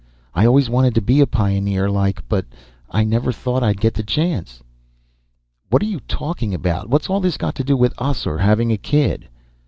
"I always wanted to be a pioneer, like, but I never thought I'd get the chance." "What are you talking about? What's all this got to do with us, or having a kid?"